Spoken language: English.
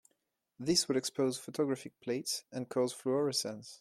This would expose photographic plates and cause fluorescence.